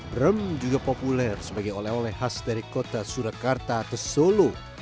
brem juga populer sebagai oleh oleh khas dari kota surakarta atau solo